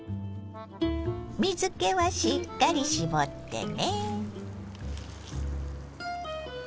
水けはしっかり絞ってね。